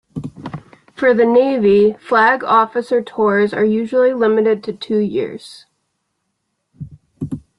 For the Navy, flag officer tours are usually limited to two-years.